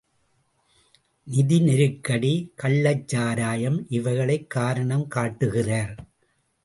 நிதி நெருக்கடி, கள்ளச் சாராயம் இவைகளைக் காரணம் காட்டுகிறார்.